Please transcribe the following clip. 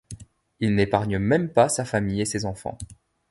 Il n’épargne même pas sa famille et ses enfants.